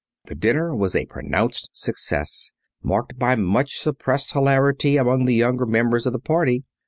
The dinner was a pronounced success, marked by much suppressed hilarity among the younger members of the party.